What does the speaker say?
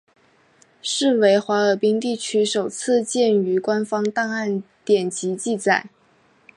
是为哈尔滨地区首次见于官方档案典籍记载。